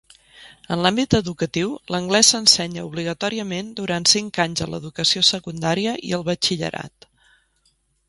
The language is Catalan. En l'àmbit educatiu l'anglès s'ensenya obligatòriament durant cinc anys a l'educació secundària i al batxillerat.